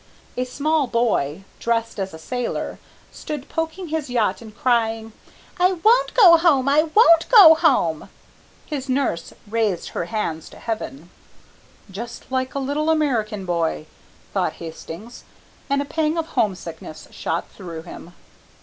A small boy, dressed as a sailor, stood poking his yacht and crying, "I won't go home! I won't go home!" His nurse raised her hands to Heaven. "Just like a little American boy," thought Hastings, and a pang of homesickness shot through him.